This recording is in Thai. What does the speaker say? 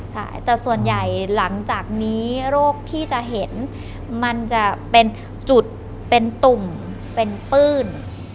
ใช่แต่ส่วนใหญ่หลังจากนี้โรคที่จะเห็นมันจะเป็นจุดเป็นตุ่มเป็นปื้น